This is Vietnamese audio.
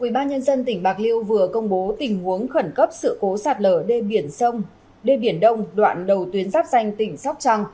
ubnd tỉnh bạc liêu vừa công bố tình huống khẩn cấp sự cố sạt lở đê biển sông đê biển đông đoạn đầu tuyến giáp danh tỉnh sóc trăng